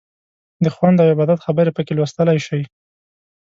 د خوند او عبادت خبرې پکې لوستلی شئ.